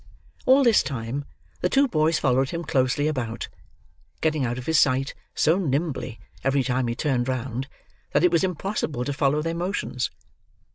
All this time, the two boys followed him closely about: getting out of his sight, so nimbly, every time he turned round, that it was impossible to follow their motions.